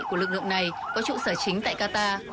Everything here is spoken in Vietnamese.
của lực lượng này có trụ sở chính tại qatar